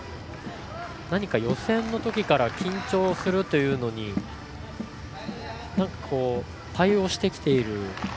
何か予選のときから緊張するというのに対応してきている。